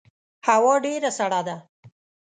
هوا ډیره سړه ده